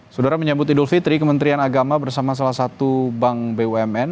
saudara menyambut idul fitri kementerian agama bersama salah satu bank bumn